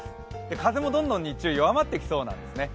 風もどんどん日中弱まってきそうなんですね。